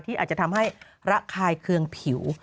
อาจจะทำให้ระคายเคืองผิว